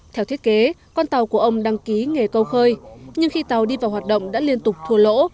theo thiết kế con tàu của ông đăng ký nghề câu khơi nhưng khi tàu đi vào hoạt động đã liên tục thua lỗ